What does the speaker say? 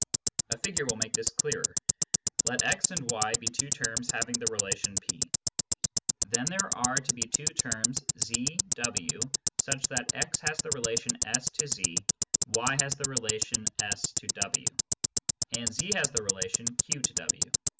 A figure will make this clearer. Let x and y be two terms having the relation P. Then there are to be two terms z, w, such that x has the rela tion S to z, y has the relation S to w, and z has the relation Q to w.